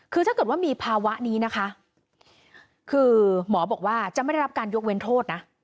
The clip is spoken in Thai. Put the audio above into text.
คือถ้าเกิดว่ามีภาวะนี้นะคะคือหมอบอกว่าจะไม่ได้รับการยกเว้นโทษนะ